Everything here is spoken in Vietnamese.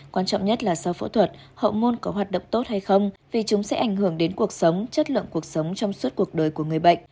quan trọng nhất là sau phẫu thuật hậu môn có hoạt động tốt hay không vì chúng sẽ ảnh hưởng đến cuộc sống chất lượng cuộc sống trong suốt cuộc đời của người bệnh